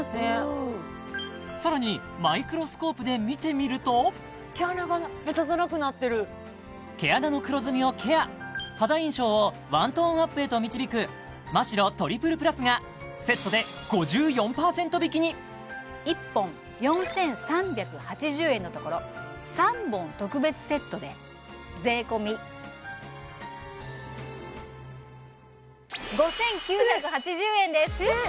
うんさらにマイクロスコープで見てみると毛穴が目立たなくなってる毛穴の黒ずみをケア肌印象をワントーンアップへと導くマ・シロトリプルプラスが１本４３８０円のところ３本特別セットで税込５９８０円ですえっ！？